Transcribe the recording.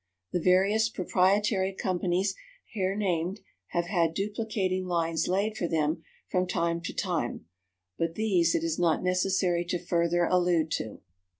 The various proprietary companies here named have had duplicating lines laid for them from time to time, but these it is not necessary to further allude to.